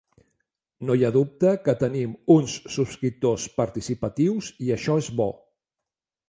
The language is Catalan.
No hi ha dubte que tenim uns subscriptors participatius i això és bo.